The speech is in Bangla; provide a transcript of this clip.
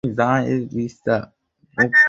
ভয় পেয়ো না, মা!